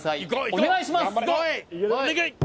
お願いします